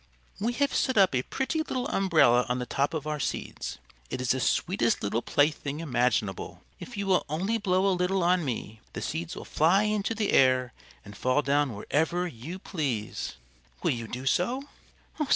"We have set up a pretty little umbrella on the top of our seeds. It is the sweetest little plaything imaginable. If you will only blow a little on me, the seeds will fly into the air and fall down wherever you please. Will you do so?"